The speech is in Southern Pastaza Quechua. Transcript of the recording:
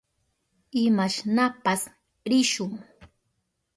Imashnapas rishun.